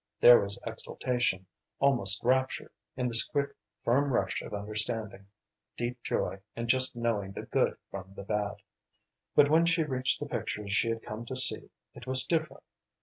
There was exultation, almost rapture, in this quick, firm rush of understanding; deep joy in just knowing the good from the bad. But when she reached the pictures she had come to see it was different.